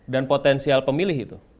dan potensial pemilih itu